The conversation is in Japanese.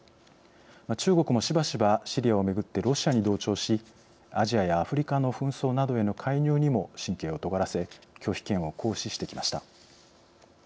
中国もしばしばシリアをめぐってロシアに同調しアジアやアフリカの紛争などへの介入にも神経をとがらせ拒否権を行使してきました。